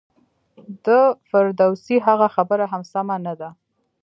د فردوسي هغه خبره هم سمه نه ده.